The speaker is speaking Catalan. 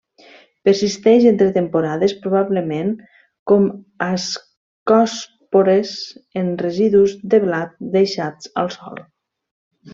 Persisteix entre temporades probablement com ascòspores en residus de blat deixats al sòl.